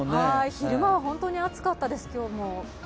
昼間は本当に暑かったです、今日も。